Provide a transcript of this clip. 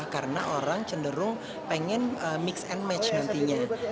karena orang cenderung pengen mix and match nantinya